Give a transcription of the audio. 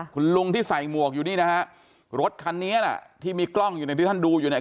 คุณลุงที่ใส่หมวกอยู่นี่นะฮะรถคันนี้น่ะที่มีกล้องอยู่ในที่ท่านดูอยู่เนี่ย